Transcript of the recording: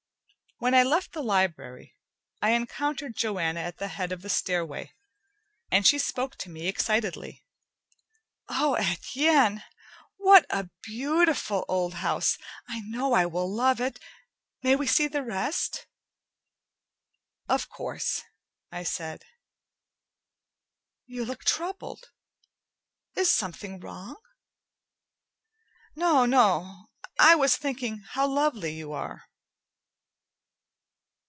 When I left the library, I encountered Joanna at the head of the stairway, and she spoke to me excitedly. "Oh, Etienne! What a beautiful old house. I know I will love it! May we see the rest?" "Of course," I said. "You look troubled. Is something wrong?" "No, no. I was thinking how lovely you are."